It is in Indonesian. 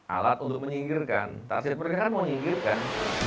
alat untuk menyingkirkan tak hasil pernikahan menyingkirkan